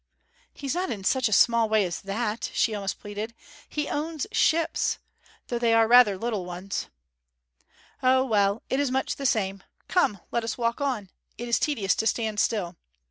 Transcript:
'He's not in such a small way as that!' she almost pleaded. 'He owns ships, though they are rather little ones!' 'O, well, it is much the same. Come, let us walk on; it is tedious to stand still.